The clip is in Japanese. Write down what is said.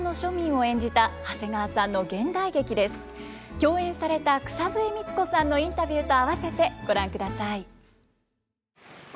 共演された草笛光子さんのインタビューとあわせてご覧ください。